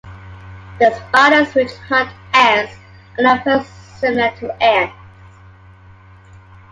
The spiders which hunt ants are not very similar to ants.